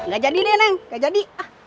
gak jadi deh neng gak jadi